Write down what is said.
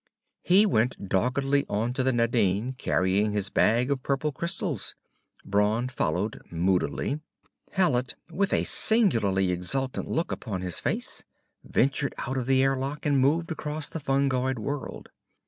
He went doggedly on to the Nadine, carrying his bag of purple crystals. Brawn followed, moodily. Hallet, with a singularly exultant look upon his face, ventured out of the airlock and moved across the fungoid world.